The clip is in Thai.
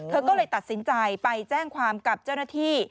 เธอก็เลยตัดสินใจไปแจ้งความกับเจ้าหน้าที่